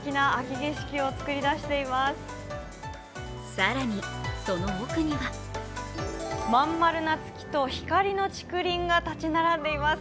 更に、その奥にはまん丸な月と光の竹林が立ち並んでいます。